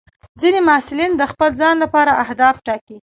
ځینې محصلین د خپل ځان لپاره اهداف ټاکي.